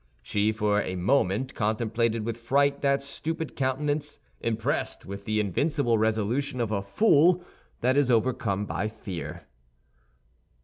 She for a moment contemplated with fright that stupid countenance, impressed with the invincible resolution of a fool that is overcome by fear.